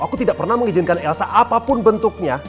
aku tidak pernah mengizinkan elsa apapun bentuknya